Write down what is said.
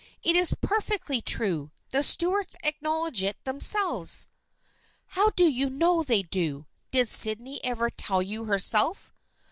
" It is perfectly true. The Stuarts acknowledge it themselves." " How do you know they do ? Did Sydney ever tell you so herself?